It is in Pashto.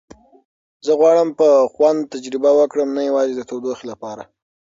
زه غواړم په خوند تجربه وکړم، نه یوازې د تودوخې لپاره.